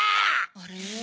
あれ？